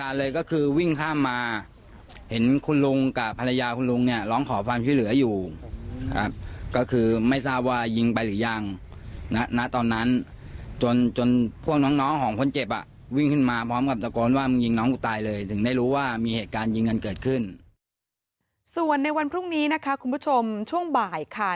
ส่วนในวันพรุ่งนี้นะคะคุณผู้ชมช่วงบ่ายค่ะ